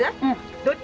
どっち？